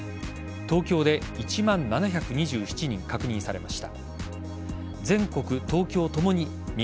東京で１万７２７人確認されました。